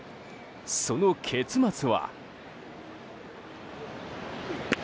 その結末は。